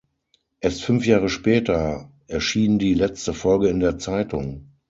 Erst fünf Jahre später erschien die letzte Folge in der Zeitung.